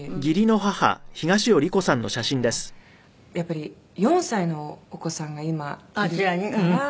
やっぱり４歳のお子さんが今いるから。